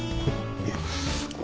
いや。